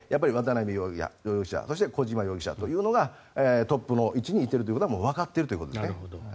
その中で、渡邉容疑者そして、小島容疑者というのがトップの位置にいるということはもうわかっているということですね。